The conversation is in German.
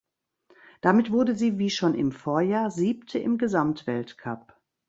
Damit wurde sie wie schon im Vorjahr Siebte im Gesamtweltcup.